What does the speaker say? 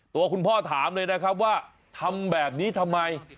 ตัวคุณพ่อถามเลยนะครับว่าทำแบบนี้ทำไม